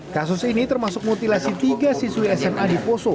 kasus ini termasuk mutilasi tiga siswi sma di poso